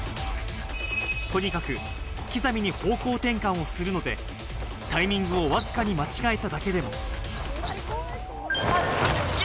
とにかく小刻みに方向転換をするので、タイミングをわずかに間違えただけでも。